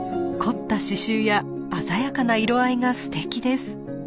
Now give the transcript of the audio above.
凝った刺繍や鮮やかな色合いがすてきです。